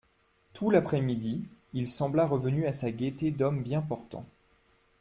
Tout l'après-midi, il sembla revenu à sa gaieté d'homme bien portant.